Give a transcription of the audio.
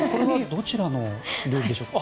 どちらの料理でしょうか。